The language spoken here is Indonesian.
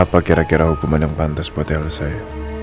apa kira kira hukuman yang pantas buat elsa ya